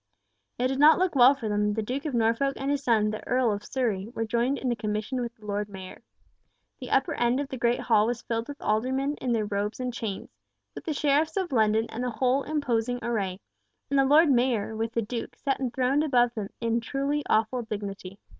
It did not look well for them that the Duke of Norfolk and his son, the Earl of Surrey, were joined in the commission with the Lord Mayor. The upper end of the great hall was filled with aldermen in their robes and chains, with the sheriffs of London and the whole imposing array, and the Lord Mayor with the Duke sat enthroned above them in truly awful dignity.